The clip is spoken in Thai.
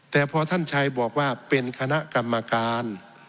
แต่พอท่านชัยบอกว่าเป็นคณะกรรมการ